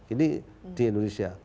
ini di indonesia